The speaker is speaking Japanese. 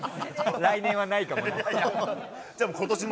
来年はないかも。